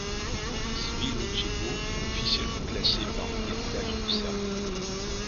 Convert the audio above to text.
Svilojevo est officiellement classé parmi les villages de Serbie.